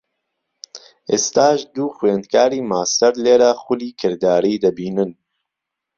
ئێستاش دوو خوێندکاری ماستهر لێره خولی کرداریی دهبینن